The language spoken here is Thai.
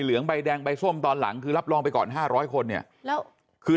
เหลืองใบแดงใบส้มตอนหลังคือรับลองไปก่อน๕๐๐คนเนี่ยแล้วคือ